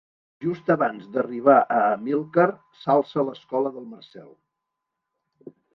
Just abans d'arribar a Amílcar s'alça l'escola del Marcel.